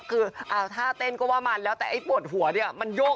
คือเอาท่าเต้นก็ว่ามันแล้วแต่ไอ้ปวดหัวเนี่ยมันโยก